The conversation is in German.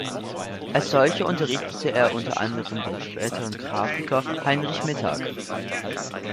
Als solcher unterrichtete er unter anderem den späteren Grafiker Heinrich Mittag.